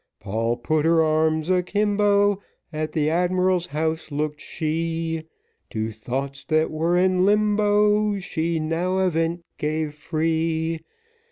Poll put her arms a kimbo, At the admiral's house looked she, To thoughts that were in limbo, She now a vent gave free.